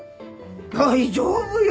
大丈夫よ！